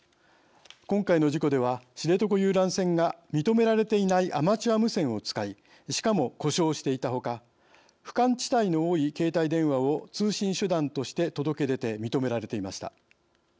今回の事故では、知床遊覧船が認められていないアマチュア無線を使いしかも、故障していたほか不感地帯の多い携帯電話を通信手段として届け出て認められていました。